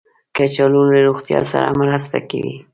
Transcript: کچالو له روغتیا سره مرسته کوي